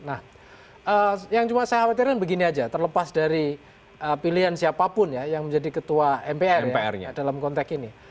nah yang cuma saya khawatirkan begini aja terlepas dari pilihan siapapun ya yang menjadi ketua mpr dalam konteks ini